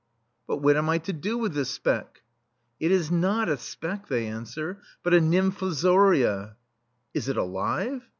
"But what am I to do with this speck?" "It is not a speck," they answer, "but a nymfozoria." "Is it alive?"